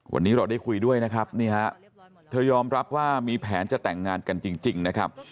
วันนี้เราได้คุยด้วยนะครับนี่ฮะเธอยอมรับว่ามีแผนจะแต่งงานกันจริงนะครับ